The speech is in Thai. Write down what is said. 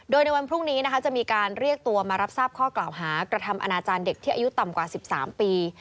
โดยในวันพรุ่งนี้นะคะจะมีการเรียกตัวมารับทราบข้อกล่าวหากระทำอนาจารย์เด็กที่อายุต่ำกว่า๑๓ปี